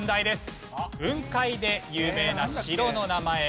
雲海で有名な城の名前。